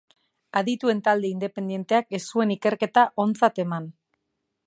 Adituen talde independenteak ez zuen ikerketa ontza eman.